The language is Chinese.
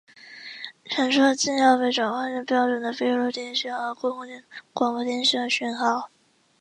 传输的资料被转换成标准的闭路电视和公共广播电视的讯号。